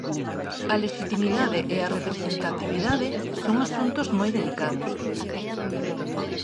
A lexitimidade e a representatividade son asuntos moi delicados.